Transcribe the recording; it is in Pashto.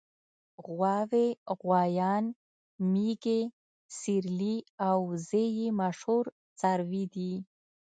غواوې غوایان مېږې سېرلي او وزې یې مشهور څاروي دي.